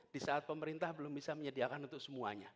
di saat pemerintah belum bisa menyediakan untuk semuanya